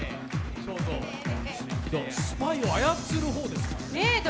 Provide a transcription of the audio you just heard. スパイを操る方ですからね。